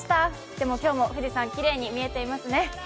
でも今日も富士山、きれいに見えていますね。